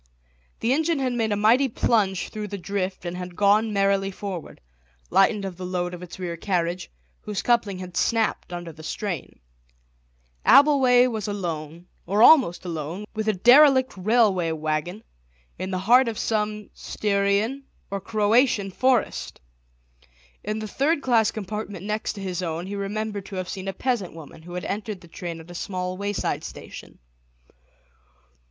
The engine had made a mighty plunge through the drift and had gone merrily forward, lightened of the load of its rear carriage, whose coupling had snapped under the strain. Abbleway was alone, or almost alone, with a derelict railway waggon, in the heart of some Styrian or Croatian forest. In the third class compartment next to his own he remembered to have seen a peasant woman, who had entered the train at a small wayside station.